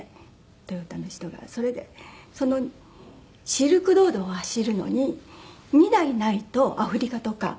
それでシルクロードを走るのに２台ないとアフリカとか。